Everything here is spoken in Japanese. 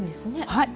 はい。